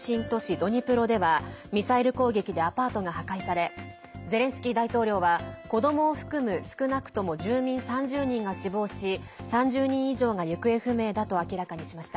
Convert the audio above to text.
ドニプロではミサイル攻撃でアパートが破壊されゼレンスキー大統領は子どもを含む少なくとも住民３０人が死亡し３０人以上が行方不明だと明らかにしました。